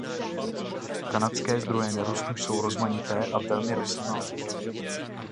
Kanadské zdroje nerostů jsou rozmanité a velmi rozsáhlé.